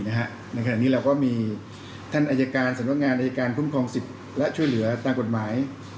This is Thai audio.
ในขณะนี้เราก็มีท่านอายการสำนักงานอายการคุ้มครองสิทธิ์และช่วยเหลือตามกฎหมาย